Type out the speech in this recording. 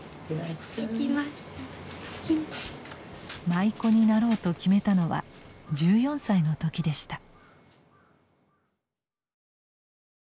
舞妓になろうと決めたのは１４歳の時でした。